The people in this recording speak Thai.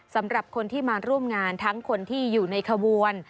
สำหรับคนที่มาร่วมงานทั้งคนที่อยู่ในขบวน